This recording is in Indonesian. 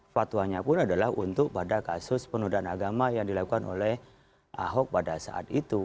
fatwanya pun adalah untuk pada kasus penodaan agama yang dilakukan oleh ahok pada saat itu